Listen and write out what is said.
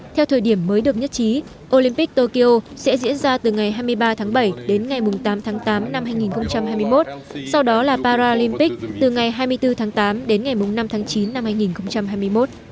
theo thời điểm mới được nhất trí olympic tokyo sẽ diễn ra từ ngày hai mươi ba tháng bảy đến ngày tám tháng tám năm hai nghìn hai mươi một sau đó là paralympic từ ngày hai mươi bốn tháng tám đến ngày năm tháng chín năm hai nghìn hai mươi một